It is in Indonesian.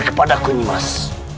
kepada aku nimas